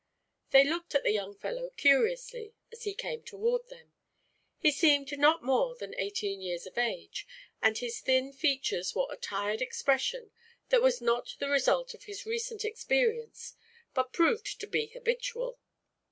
They looked at the young fellow curiously as he came toward them. He seemed not more than eighteen years of age and his thin features wore a tired expression that was not the result of his recent experience but proved to be habitual.